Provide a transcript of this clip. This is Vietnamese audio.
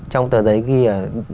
trong tờ giấy ghi là